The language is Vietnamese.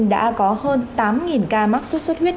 đã có hơn tám ca mắc sốt sốt huyết